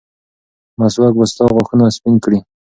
مسواک به ستا غاښونه سپین کړي.